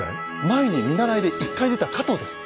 前に見習いで１回出た加藤です。